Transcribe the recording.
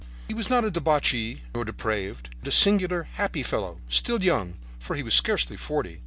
He was not a debauche nor depraved, but a singular, happy fellow, still young, for he was scarcely forty.